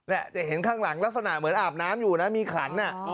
จะเห็นข้างหลังลักษณะเหมือนอาบน้ำอยู่นะมีขัน